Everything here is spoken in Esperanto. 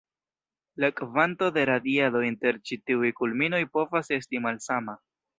La kvanto de radiado inter ĉi tiuj kulminoj povas esti malsama.